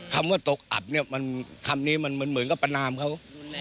คำว่าตกอัดเนี่ยมันคำนี้มันเหมือนกับประนามเขา